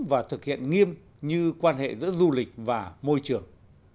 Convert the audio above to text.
và thực hiện nghiêm như quan hệ giữa du lịch và môi trường